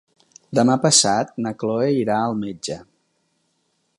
Demà passat na Cloè irà al metge.